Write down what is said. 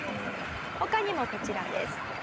他にもこちらです。